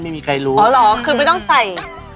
เพราะเสื้อเหมือนได้ไง